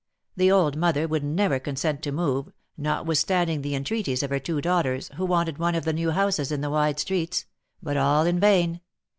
The old mother would never consent to move, notwith standing the entreaties of her two daughters, who wanted one of the new houses in the wide streets ; but all in vain.